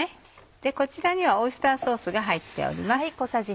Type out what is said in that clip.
こちらにはオイスターソースが入っております。